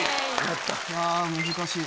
難しい。